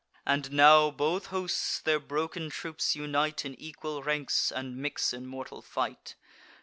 And now both hosts their broken troops unite In equal ranks, and mix in mortal fight.